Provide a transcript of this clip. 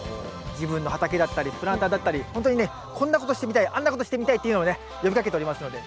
自分の畑だったりプランターだったりほんとにねこんなことしてみたいあんなことしてみたいっていうのをね呼びかけておりますので。